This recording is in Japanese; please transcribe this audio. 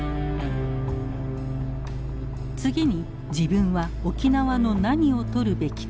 次に自分は沖縄の何を撮るべきか。